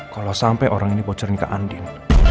kalo sampai orang ini bocorin ke andin